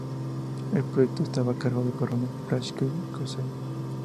El proyecto estaba a cargo del coronel Poklevskij-Kozello.